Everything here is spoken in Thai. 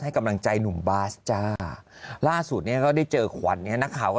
กำลังใจหนุ่มบาสจ้าล่าสุดเนี้ยก็ได้เจอขวัญเนี่ยนักข่าวก็